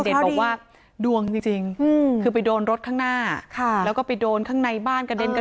จนใดเจ้าของร้านเบียร์ยิงใส่หลายนัดเลยค่ะ